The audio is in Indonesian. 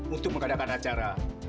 untuk mengadakan acara